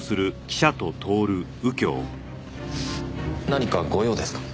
何か御用ですか？